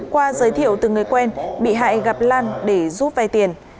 qua giới thiệu từ người quen bị hại gặp lan để giúp vay tiền